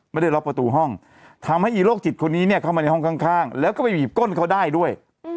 ไม่ได้ล็อกประตูห้องทำให้อีโรคจิตคนนี้เนี่ยเข้ามาในห้องข้างแล้วก็ไปบีบก้นเขาได้ด้วย